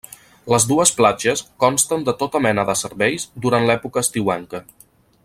Les dues platges consten de tota mena de serveis durant l'època estiuenca.